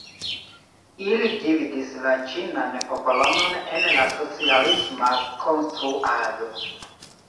Ili gvidis la ĉinan popolon en la socialisma konstruado.